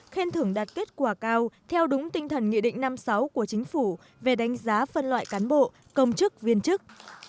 khen thưởng đạt kết quả cao theo đúng tinh thần nghị định năm sáu của chính phủ về đánh giá phân loại cán bộ công chức viên chức